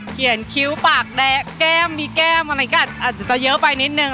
เขียนคิ้วปากแก้มมีแก้มอะไรเยอะไปนิดนึง